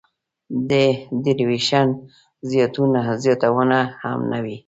د devaluation زیانونه هم نه وي.